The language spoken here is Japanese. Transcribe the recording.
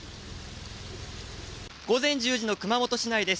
午前１０時の熊本市内です。